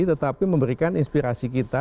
tetapi memberikan inspirasi kita